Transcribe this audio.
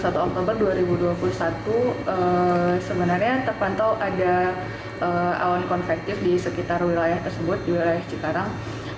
sebenarnya terpantau ada awan konvektif di sekitar wilayah tersebut di wilayah sekarang